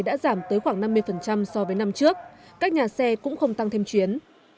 đã giảm tới khoảng năm mươi so với năm trước các nhà xe cũng không tăng thêm chuyến